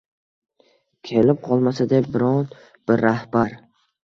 Kelib qolmasa deb biron bir rahbar